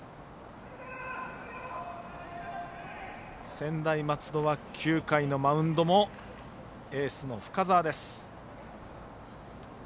専大松戸は９回のマウンドもエースの深沢です。